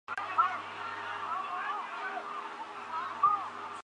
清代为康定县南境土司辖地。